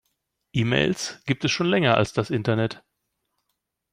E-Mails gibt es schon länger als das Internet.